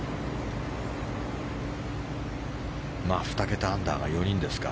２桁アンダーが４人ですか。